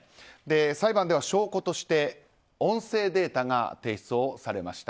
裁判での証拠として音声データが提出されました。